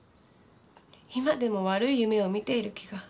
今でも悪い夢を見ている気が。